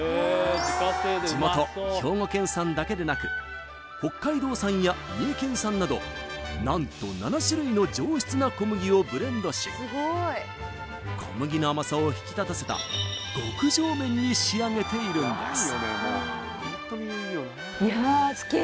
地元兵庫県産だけでなく北海道産や三重県産など何と７種類の上質な小麦をブレンドし小麦の甘さを引き立たせた極上麺に仕上げているんです